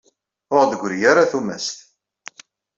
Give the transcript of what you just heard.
Ur aɣ-d-teggri ara tumast.